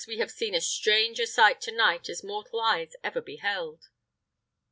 we have seen as strange a sight to night as mortal eyes ever beheld."